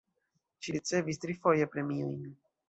Ŝi ricevis trifoje premiojn.